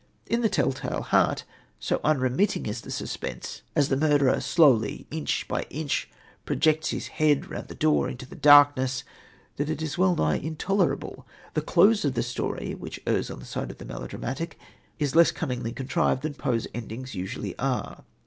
In The Tell Tale Heart, so unremitting is the suspense, as the murderer slowly inch by inch projects his head round the door in the darkness, that it is well nigh intolerable. The close of the story, which errs on the side of the melodramatic, is less cunningly contrived than Poe's endings usually are.